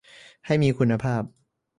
ให้มีคุณภาพ